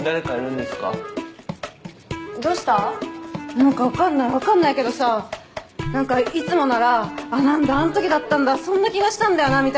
なんかわかんないわかんないけどさなんかいつもならあっなんだあんときだったんだそんな気がしたんだよなみたいなさ